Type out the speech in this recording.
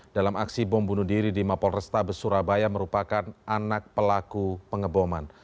dalam aksi bom bunuh diri di mapol restabes surabaya merupakan anak pelaku pengeboman